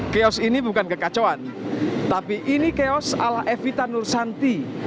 chaos ini bukan kekacauan tapi ini chaos ala evita nursanti